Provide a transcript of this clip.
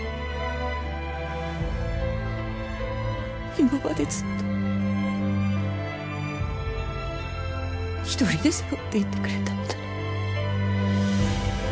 今までずっと一人で背負っていてくれたのじゃな。